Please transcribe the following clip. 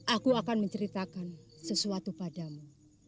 aku akan menceritakan sesuatu padamu